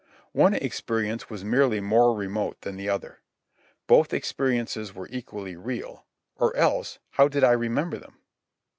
One experience was merely more remote than the other. Both experiences were equally real—or else how did I remember them?